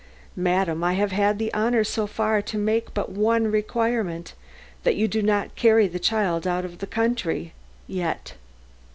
"Madam, I have had the honor so far to make but one requirement that you do not carry the child out of the country yet."